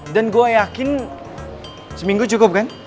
dan gue yakin seminggu cukup kan